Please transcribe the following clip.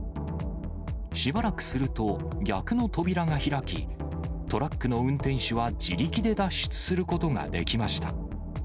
しばらくすると、逆の扉が開き、トラックの運転手は自力で脱出することができました。